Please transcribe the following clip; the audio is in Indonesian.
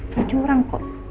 gak curang kok